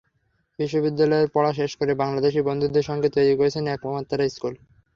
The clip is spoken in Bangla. বিশ্ববিদ্যালয়ের পড়া শেষ করে বাংলাদেশি বন্ধুদের সঙ্গে তৈরি করেছেন একমাত্রা স্কুল।